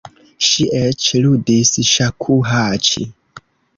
Ŝi eĉ ludis ŝakuhaĉi.